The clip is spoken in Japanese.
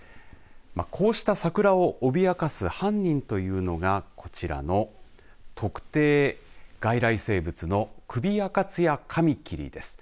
こうした桜を脅かす犯人というのがこちらの特定外来生物のクビアカツヤカミキリです。